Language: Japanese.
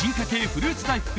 フルーツ大福